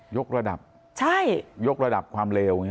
กระดับยกระดับความเลว